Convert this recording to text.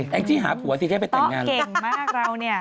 ต้องเก่งมากเราเนี่ย